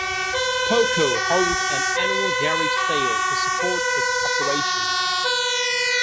PoeCo holds an annual garage sale to support its operations.